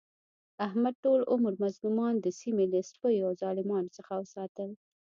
احمد ټول عمر مظلومان د سیمې له سپیو او ظالمانو څخه وساتل.